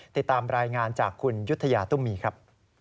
ติดตามรายงานจากคุณยุธยาตุ้มมีครับ